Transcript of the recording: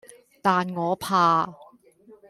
但我怕